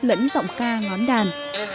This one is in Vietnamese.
lĩnh giọng ca ngõn đàn